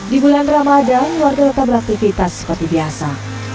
di bulan ramadan warga tetap beraktivitas seperti biasa